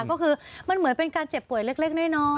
ก็คือมันเหมือนเป็นการเจ็บป่วยเล็กน้อย